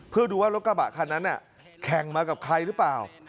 เพื่อดูว่ารถกระบะคันนั้นแข่งมากับใครหรือเปล่า